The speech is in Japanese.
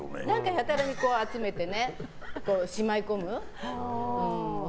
やたらに集めてね、しまい込む。